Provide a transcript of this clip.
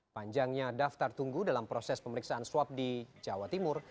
panjangnya daftar tunggu dalam proses pemeriksaan swab di jawa timur